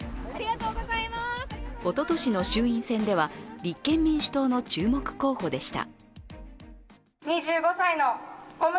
おととしの衆院選では立憲民主党の注目候補でした。